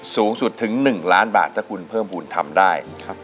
สูงสุดถึง๑ล้านบาทถ้าคุณเพิ่มภูมิทำได้